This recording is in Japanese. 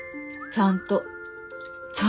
ちゃんと。